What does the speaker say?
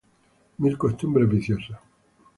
Mil costumbres viciosas